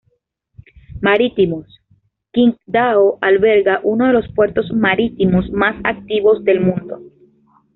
Marítimos: Qingdao alberga uno de los puertos marítimos más activos del mundo.